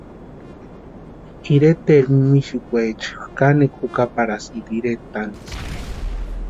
Ireteri mimixikwaecha kanekwa jukaparhatasïnti iretani.